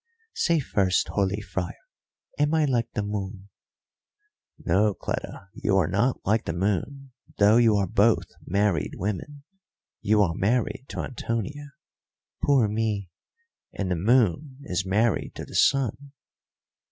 "Say first, holy friar, am I like the moon?" "No, Cleta, you are not like the moon, though you are both married women; you are married to Antonio " "Poor me!" "And the moon is married to the sun."